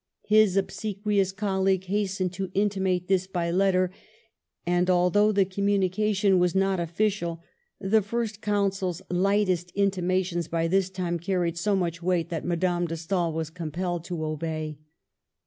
His obsequious col league hastened to intimate this by letter ; and although the communication was not official, the First Consul's lightest intimations by this time carried so much weight that Madame de Stael was compelled to obey.